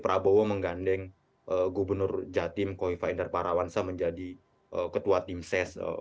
itu prabowo menggandeng gubernur jatim kofifah inderparawansa menjadi ketua tim ses